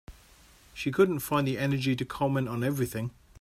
She couldn’t find the energy to comment on everything.